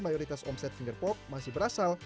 mayoritas omset finger pop masih berasal